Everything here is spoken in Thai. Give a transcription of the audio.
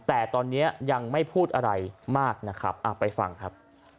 แต่ตอนนี้ยังไม่พูดอะไรมากนะครับไปฟังครับ